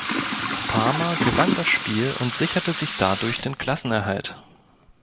Parma gewann das Spiel und sicherte sich dadurch den Klassenerhalt.